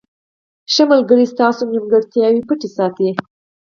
• ښه ملګری ستا نیمګړتیاوې پټې ساتي.